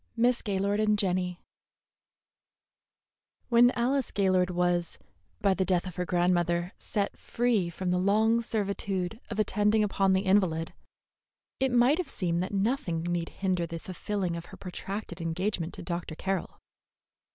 MISS GAYLORD AND JENNY When Alice Gaylord was, by the death of her grandmother, set free from the long servitude of attending upon the invalid, it might have seemed that nothing need hinder the fulfilling of her protracted engagement to Dr. Carroll.